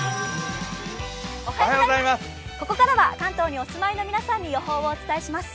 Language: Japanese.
おはようございます、ここからは関東にお住まいの皆さんに天気をお伝えします。